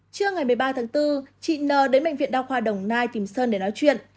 trưa ngày một mươi ba tháng bốn chị n đến bệnh viện đa khoa đồng nai tìm sơn để nói chuyện